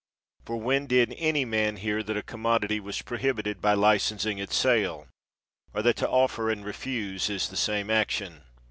For when did any man hear that a commodity was pro hibited by licensing its sale, or that to offer and refuse is the same action?